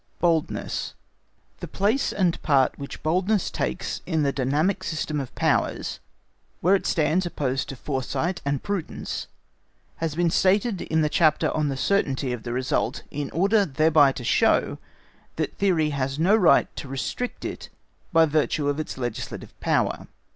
Boldness The place and part which boldness takes in the dynamic system of powers, where it stands opposed to Foresight and prudence, has been stated in the chapter on the certainty of the result in order thereby to show, that theory has no right to restrict it by virtue of its legislative power.